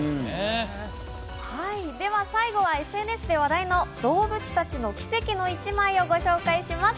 では最後はＳＮＳで話題の動物たちの奇跡の一枚をご紹介します。